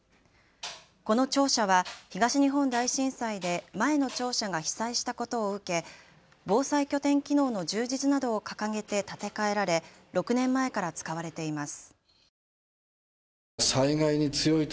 この庁舎は東日本大震災で前の庁舎が被災したことを受け防災拠点機能の充実などを掲げて建て替えられ６年前から使われています。